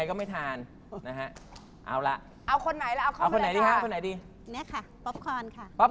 โอ้โห